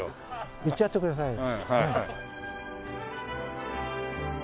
言っちゃってくださいよ。